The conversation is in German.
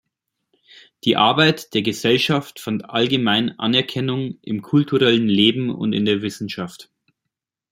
Die Arbeit der Gesellschaft fand allgemein Anerkennung im kulturellen Leben und in der Wissenschaft.